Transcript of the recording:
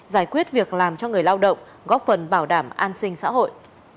giải quyết việc làm cho người lao động góp phần bảo đảm an sinh xã hội